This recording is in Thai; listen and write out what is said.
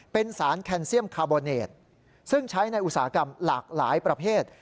เป็นสารแคนเซียมคาร์โบเนตซึ่งใช้ในอุตสาหกรรมหลากหลายประเภท